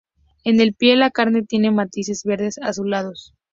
En el pie la carne tiene matices verde azulados.